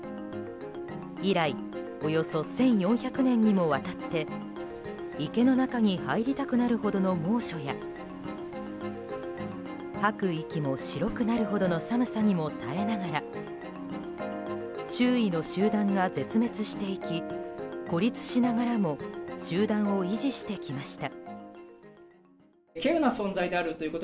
以来およそ１４００年にもわたって池の中に入りたくなるほどの猛暑や吐く息も白くなるほどの寒さにも耐えながら周囲の集団が絶滅していき孤立しながらも集団を維持してきました。